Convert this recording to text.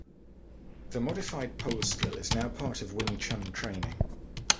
The modified pole skill is now part of Wing Chun training.